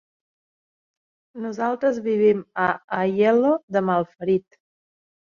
Nosaltres vivim a Aielo de Malferit.